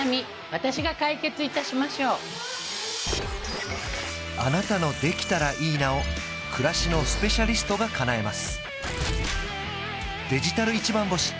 私が解決いたしましょうあなたの「できたらいいな」を暮らしのスペシャリストがかなえます